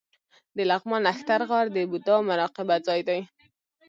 د لغمان نښتر غار د بودا مراقبه ځای دی